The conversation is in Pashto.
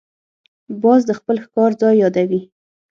باز د خپل ښکار ځای یادوي